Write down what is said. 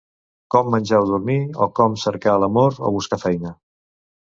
Com menjar o dormir, o com cercar l'amor o buscar feina.